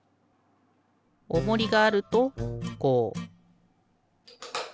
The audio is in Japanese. おもりがあるとこう。